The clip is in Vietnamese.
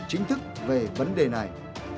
chính thức về vấn đề này